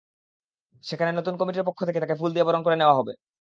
সেখানে নতুন কমিটির পক্ষ থেকে তাঁকে ফুল দিয়ে বরণ করে নেওয়া হবে।